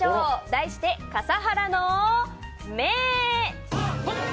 題して、笠原の眼。